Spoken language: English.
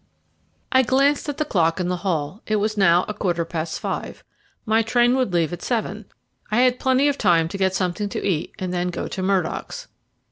I glanced at the clock in the hall; it was now a quarter past five my train would leave at seven. I had plenty of time to get something to eat and then go to Murdock's.